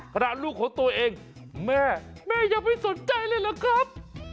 ลูกของตัวเองแม่แม่ยังไม่สนใจเลยเหรอครับ